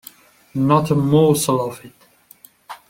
Not a morsel of it.